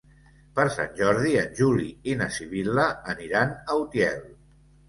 Per Sant Jordi en Juli i na Sibil·la aniran a Utiel.